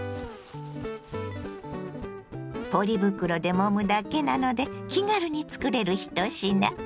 ポリ袋でもむだけなので気軽につくれる一品。